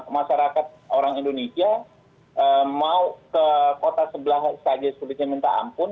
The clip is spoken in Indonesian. masyarakat orang indonesia mau ke kota sebelah saja sulitnya minta ampun